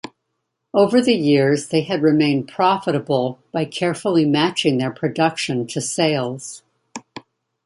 Over the years they had remained profitable by carefully matching their production to sales.